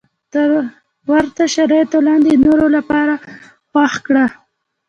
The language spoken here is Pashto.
تر ورته شرایطو لاندې یې د نورو لپاره خوښ کړه.